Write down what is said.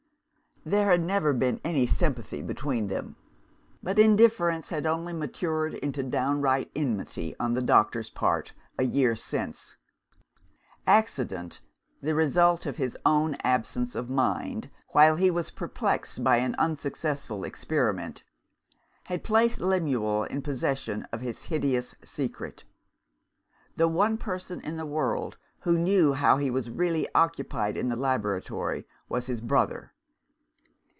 There had never been any sympathy between them; but indifference had only matured into downright enmity, on the doctor's part, a year since. Accident (the result of his own absence of mind, while he was perplexed by an unsuccessful experiment) had placed Lemuel in possession of his hideous secret. The one person in the world who knew how he was really occupied in the laboratory, was his brother.